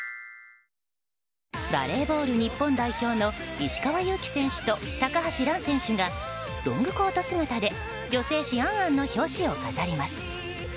バレーボール日本代表の石川祐希選手と高橋藍選手がロングコート姿で女性誌「ａｎａｎ」の表紙を飾ります。